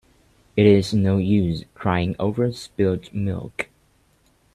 It is no use crying over spilt milk.